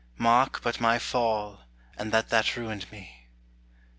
Mark but my fall, and that that ruined me.